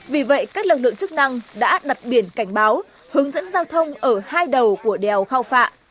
vì vậy các lực lượng chức năng đã đặt biển cảnh báo hướng dẫn giao thông ở hai đầu của đèo khao phạ